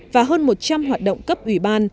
và hơn một trăm linh hoạt động cấp ủy ban